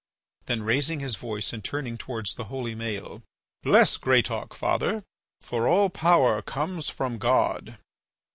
Then raising his voice and turning towards the holy Maël: "Bless Greatauk, father, for all power comes from God."